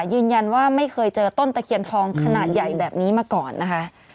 ยืนยันว่าไม่เคยเจอต้นตะเคียนทองขนาดใหญ่แบบนี้มาก่อนนะคะ